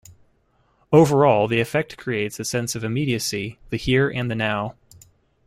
Overall, the effect creates a sense of immediacy, the here and the now.